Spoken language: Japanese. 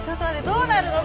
どうなるの？